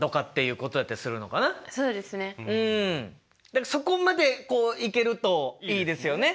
だからそこまでこういけるといいですよね。